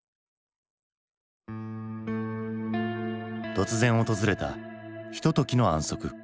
突然訪れたひとときの安息。